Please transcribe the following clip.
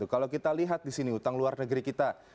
kalau kita lihat di sini utang luar negeri kita